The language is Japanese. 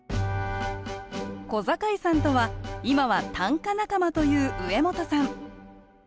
小坂井さんとは今は短歌仲間という上本さん。